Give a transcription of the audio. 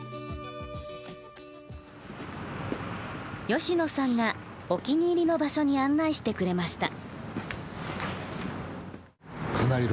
吉野さんがお気に入りの場所に案内してくれました。